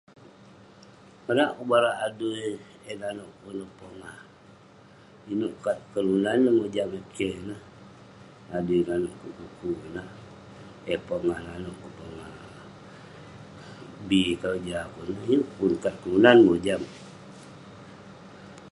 Konak kok barak adui yah eh nanouk kok ineh pongah. Inouk kat kelunan eh mojam eh keh ineh. Adui nanouk kuk ineh. Eh pongah nanouk, pongah bi keroja kuk ineh. Yeng eh pun, kat kelunan mojam.